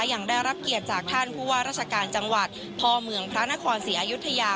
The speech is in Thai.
ยังได้รับเกียรติจากท่านผู้ว่าราชการจังหวัดพ่อเมืองพระนครศรีอยุธยา